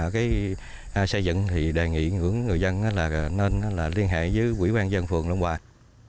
và xây dựng thì đề nghị người dân nên liên hệ với quỹ quan dân phường lông ngoài